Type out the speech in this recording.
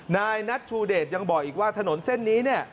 นายนัทชูเดชยังบอกอีกว่าถนนเส้นนี้เนี่ย